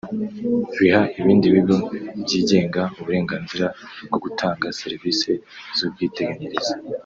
riha ibindi bigo byigenga uburenganzira bwo gutanga serivisi z’ubwiteganyirize